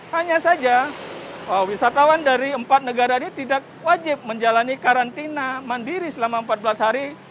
hanya saja wisatawan dari empat negara ini tidak wajib menjalani karantina mandiri selama empat belas hari